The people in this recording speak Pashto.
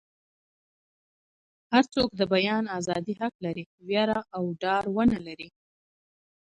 هر څوک د بیان ازادي حق لري ویره او ډار ونه لري.